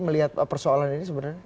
melihat persoalan ini sebenarnya